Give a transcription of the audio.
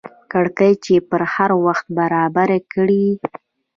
ګړۍ چې پر هر وخت برابر کړې.